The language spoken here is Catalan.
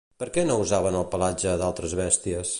Per què no usaven el pelatge d'altres bèsties?